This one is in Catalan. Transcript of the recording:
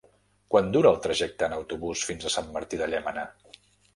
Quant dura el trajecte en autobús fins a Sant Martí de Llémena?